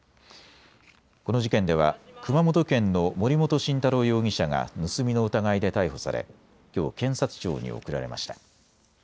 この事件では熊本県の森本晋太郎容疑者が盗みの疑いで逮捕され、きょう検察庁に送られました。